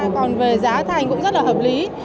còn về giá thành cũng rất là hợp lý